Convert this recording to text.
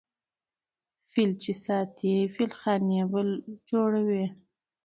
ـ فيل چې ساتې فيلخانې به جوړوې.